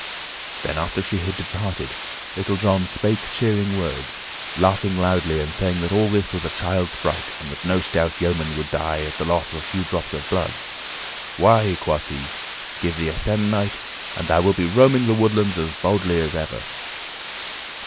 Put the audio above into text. Then, after she had departed, Little John spake cheering words, laughing loudly, and saying that all this was a child's fright, and that no stout yeoman would die at the loss of a few drops of blood. "Why," quoth he, "give thee a se'ennight and thou wilt be roaming the woodlands as boldly as ever."